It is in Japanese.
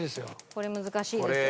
これ難しいですよ。